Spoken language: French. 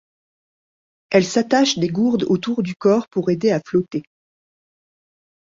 Elle s'attache des gourdes autour du corps pour aider à flotter.